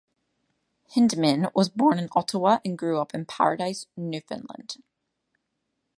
Hyndman was born in Ottawa and grew up in Paradise, Newfoundland.